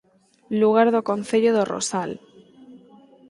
Lugar do Concello do Rosal